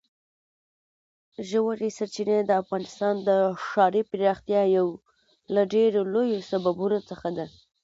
ژورې سرچینې د افغانستان د ښاري پراختیا یو له ډېرو لویو سببونو څخه ده.